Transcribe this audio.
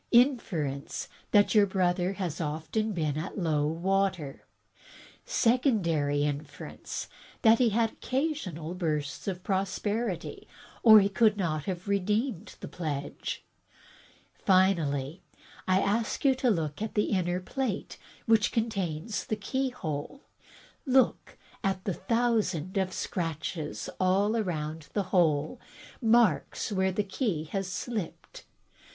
Inference that your brother was often at low water. Secondary inference — that he had occasional bursts of prosperity, or he could not have redeemed the pledge. Finally, I ask you to look at the inner plate, which contains the keyhole. Look at the thousand of scratches all round the hole — marks where the key has slipped.